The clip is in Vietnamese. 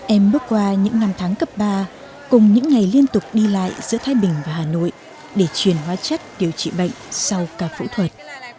em bước qua những năm tháng cấp ba cùng những ngày liên tục đi lại giữa thái bình và hà nội để truyền hóa chất điều trị bệnh sau cả phẫu thuật